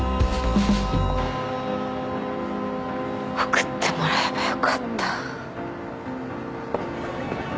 送ってもらえばよかった。